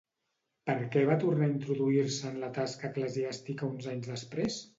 Per què va tornar a introduir-se en la tasca eclesiàstica uns anys després?